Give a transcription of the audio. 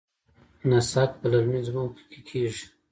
نسک په للمي ځمکو کې کیږي.